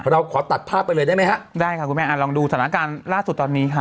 เราขอตัดภาพไปเลยได้ไหมฮะได้เขาก็ไม่อ่ะลองดูศนาการล่าสุดตอนนี้ค่ะ